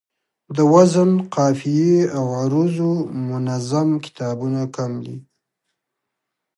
د وزن، قافیې او عروضو منظم کتابونه کم دي